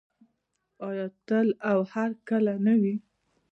آیا تل او هرکله نه وي؟